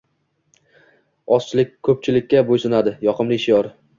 “Ozchilik ko’pchilikka bo’sunadi! yoqimli shior!